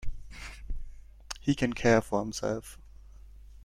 He can care for himself.